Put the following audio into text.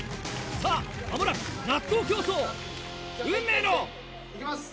さぁ間もなく納豆競争運命の。いきます